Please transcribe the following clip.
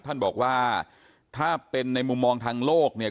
ท่านบอกว่าถ้าเป็นในมุมมองทางโลกเนี่ย